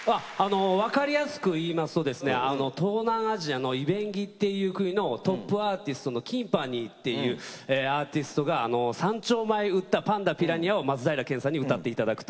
分かりやすく言いますと東南アジアのイベンギっていう国のトップアーティストのＫｉｎｎｐａｎｎｙっていうアーティストが松平健さんに歌っていただくと。